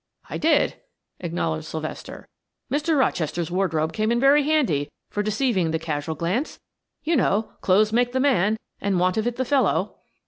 "I did," acknowledged Sylvester. "Mr. Rochester's wardrobe came in very handy for deceiving the casual glance. You know, 'clothes make the man, and want of it the fellow.'"